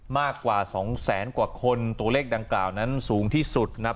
มากกว่า๒แสนกว่าคนตัวเลขดังกล่าวนั้นสูงที่สุดนะครับ